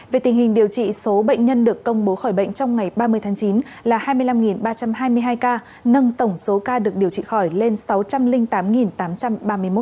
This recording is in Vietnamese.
về tình hình điều trị số bệnh nhân được công bố khỏi bệnh trong ngày ba mươi tháng chín là hai mươi năm ba trăm hai mươi hai ca nâng tổng số ca được điều trị khỏi lên sáu trăm linh tám tám trăm ba mươi một ca